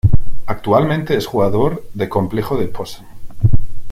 Actualmente es jugador de Complejo de Posse.